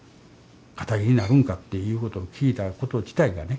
カタギになるんかっていうことを聞いたこと自体がね